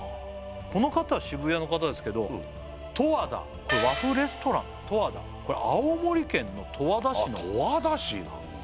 この方は渋谷の方ですけど十和田これ和風レストランとわだこれ青森県の十和田市の十和田市なんだ